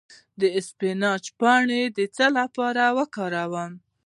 د اسفناج پاڼې د څه لپاره وکاروم؟